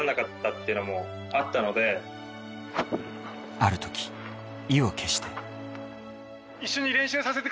ある時、意を決した。